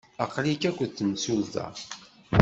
Aql-ik akked temsulta?